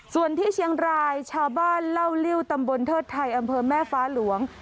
ส่วนที่เชียงรายชาวบ้านเล่าลิ้วตำบลเทิดไทยอำเภอแม่ฟ้าหลวง